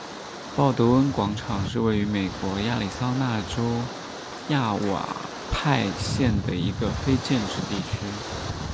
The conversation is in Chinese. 鲍德温广场是位于美国亚利桑那州亚瓦派县的一个非建制地区。